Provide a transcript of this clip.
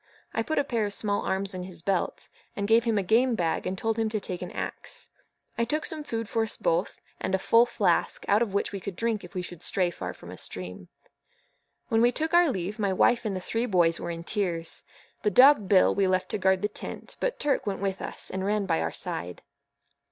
I put a pair of small arms in his belt, gave him a game bag, and told him to take an axe. I took some food for us both, and a full flask, out of which we could drink if we should stray far from a stream. When we took our leave, my wife and the three boys were in tears. The dog Bill we left to guard the tent, but Turk went with us, and ran by our side.